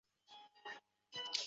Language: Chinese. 弟为应傃。